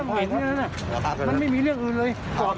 มันไม่มีเรียกอื่นเลย